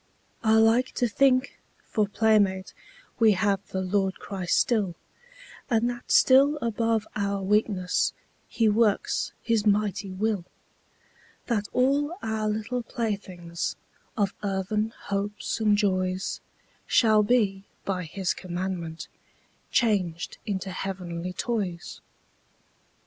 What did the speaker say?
I like to think, for playmate We have the Lord Christ still, And that still above our weakness He works His mighty will, That all our little playthings Of earthen hopes and joys Shall be, by His commandment, Changed into heavenly toys.